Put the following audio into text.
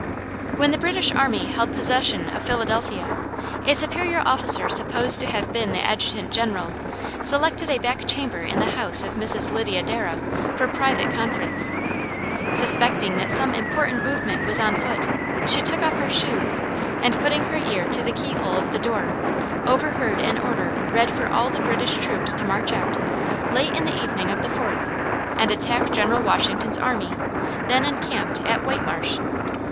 When the British army held possession of Philadelphia, a superior officer supposed to have been the Adjutant General, selected a back chamber in the house of Mrs. Lydia Darrah, for private conference. Suspecting that some important movement was on foot, she took off her shoes, and putting her ear to the key hole of the door, overheard an order read for all the British troops to march out, late in the evening of the fourth, and attack General Washington's army, then encamped at White Marsh.